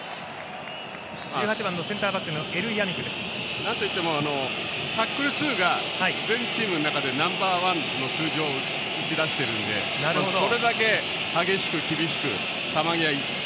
なんといっても、タックル数が全チームの中でナンバーワンの数字を打ち出しているのでそれだけ激しく厳しく球際行くと。